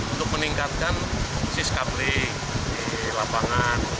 untuk meningkatkan sis kablik di lapangan